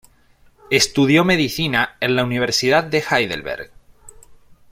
Estudió medicina en la Universidad de Heidelberg